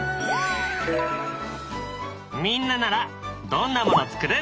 みんなならどんなもの作る？